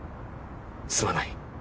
すまない。